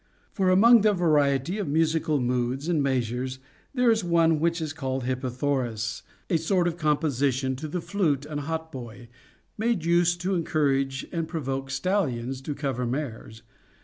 For among the variety of musical moods and measures there is one which is called Hippothoros, a sort of compo sition to t\vi flute and hautboy, made use of to encourage and provoke stallions to cover mares.